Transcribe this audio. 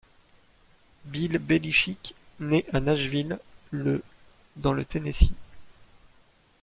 Bill Belichick naît à Nashville le dans le Tennessee.